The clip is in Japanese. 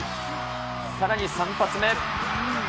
さらに３発目。